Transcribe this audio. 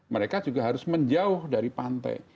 mereka juga harus menjauh dari pantai